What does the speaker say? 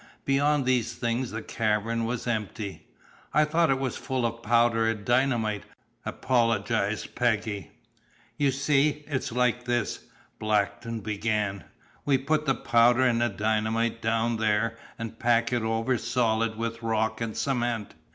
Beyond these things the cavern was empty. "I thought it was full of powder and dynamite," apologized Peggy. "You see, it's like this," Blackton began. "We put the powder and dynamite down there, and pack it over solid with rock and cement.